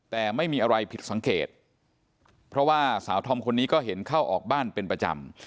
แต่ไม่มีอะไรผิดสังเกตเพราะว่าสาวธอมคนนี้ก็เห็นเข้าออกบ้านเป็นประจำ